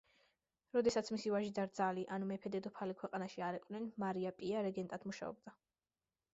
როდესაც მისი ვაჟი და რძალი, ანუ მეფე-დედოფალი ქვეყანაში არ იყვნენ, მარია პია რეგენტად მუშაობდა.